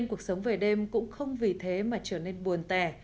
cuộc sống về đêm cũng không vì thế mà trở nên buồn tè